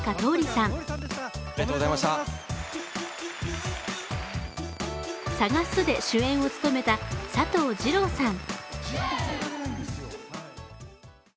「さがす」で主演を務めた佐藤二朗さん。